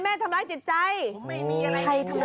ใครทำร้ายจิตใจใครก่อน